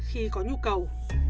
khi có nhu cầu